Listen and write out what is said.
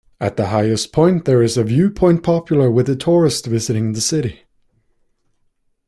At the highest point there is a viewpoint popular with tourists visiting the city.